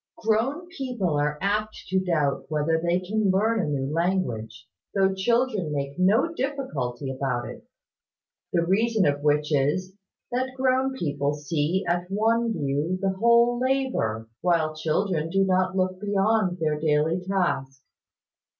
Grown people are apt to doubt whether they can learn a new language, though children make no difficulty about it: the reason of which is, that grown people see at one view the whole labour, while children do not look beyond their daily task.